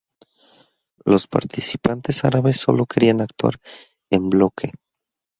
Los participantes árabes solo querían actuar "en bloque".